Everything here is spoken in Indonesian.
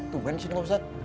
tungguin disini pak ustadz